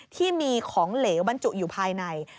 ที่มีของเหลวบรรจุอยู่ภายใน